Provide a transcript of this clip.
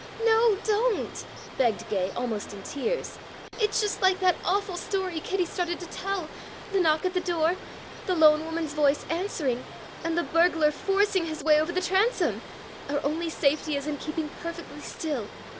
"No, don't!" begged Gay, almost in tears. "It's just like that awful story Kitty started to tell the knock at the door, the lone woman's voice answering, and the burglar forcing his way over the transom! Our only safety is in keeping perfectly still.